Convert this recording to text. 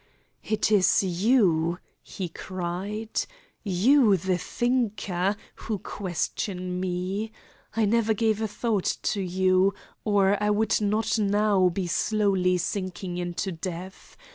"It is you," he cried, "you, the thinker, who question me. I never gave a thought to you, or I would not now be slowly sinking into death.